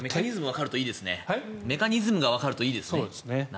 メカニズムがわかるといいですね。